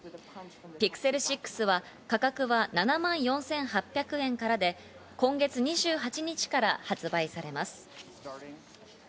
Ｐｉｘｅｌ６は価格は７万４８００円からで、今月２８日から発売されます。